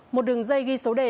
một đường dây ghi số đề